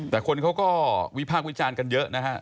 แต่คนเขาก็วิพากษ์วิจารณ์กันเยอะนะฮะ